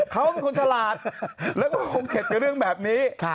เขาเป็นคนฉลาดแล้วก็คงเข็ดกับเรื่องแบบนี้